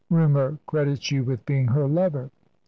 "Rumour credits you with being her lover."